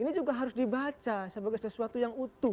ini juga harus dibaca sebagai sesuatu yang utuh